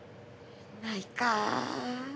ないか。